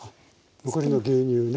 残りの牛乳ね。